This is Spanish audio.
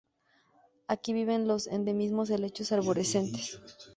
Aquí viven los endemismos helechos arborescentes.